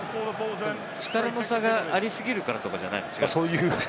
力の差があり過ぎるからということですか？